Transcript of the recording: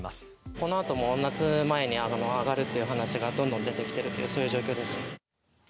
このあとも夏前に上がるという話がどんどん出てきてるっていう、そういう状況です。